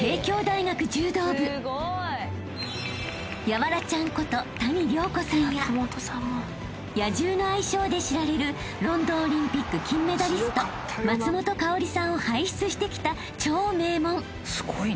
［ヤワラちゃんこと谷亮子さんや野獣の愛称で知られるロンドンオリンピック金メダリスト松本薫さんを輩出してきた超名門］